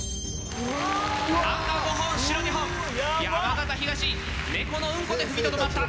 赤５本白２本山形東猫のうんこで踏みとどまった。